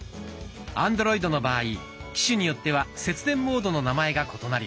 アンドロイドの場合機種によっては節電モードの名前が異なります。